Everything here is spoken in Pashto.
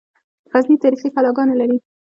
غزني تاریخي کلاګانې لري